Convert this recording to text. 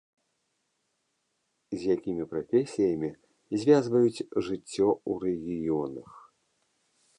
З якімі прафесіямі звязваюць жыццё ў рэгіёнах.